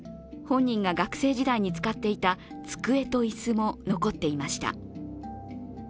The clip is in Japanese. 本人が学生時代に使っていた机と椅子も残っていました。